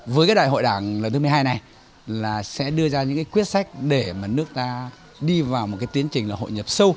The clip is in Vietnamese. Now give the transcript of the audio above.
với đại hội đảng lần thứ một mươi hai này sẽ đưa ra những quyết sách để nước ta đi vào một tiến trình hội nhập sâu